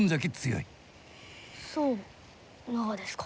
そうながですか。